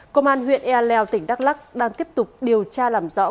công an huyện airleo tỉnh đắk lắc đang tiếp tục điều tra làm dụng